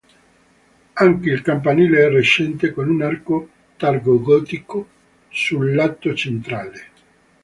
Anche il campanile è recente con un arco tardogotico sul lato centrale.